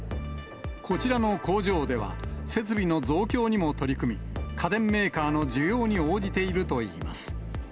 こちらの工場では、設備の増強にも取り組み、家電メーカーの需要に応じているといいます。